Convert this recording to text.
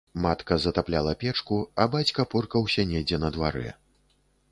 Матка затапляла печку, а бацька поркаўся недзе на дварэ.